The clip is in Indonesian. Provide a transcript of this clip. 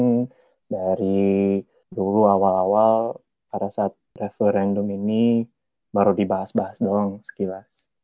ini dari dulu awal awal pada saat referendum ini baru dibahas bahas doang sekilas